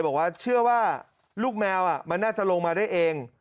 บอกว่าเชื่อว่าลูกแมวมันน่าจะลงมาได้เอง